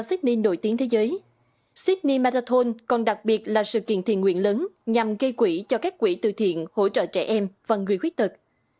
sydney marathon còn đặc biệt là sự kiện thiền nguyện lớn nhằm gây quỹ cho các quỹ từ thiện hỗ trợ trẻ em và người khuyết tật